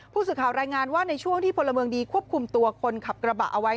ผู้สื่อข่าวรายงานว่าในช่วงที่พลเมืองดีควบคุมตัวคนขับกระบะเอาไว้